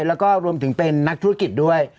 แล้วก็รวมถึงเป็นนักธุรกิจด้วย